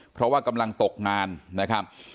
เพราะว่ากำลังตกงานนะครับ